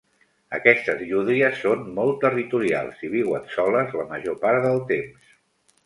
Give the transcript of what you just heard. Aquestes llúdries són molt territorials i viuen soles la major part del temps.